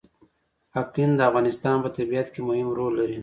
اقلیم د افغانستان په طبیعت کې مهم رول لري.